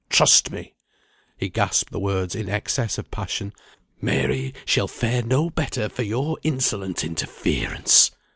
Trust me," he gasped the words in excess of passion, "Mary shall fare no better for your insolent interference."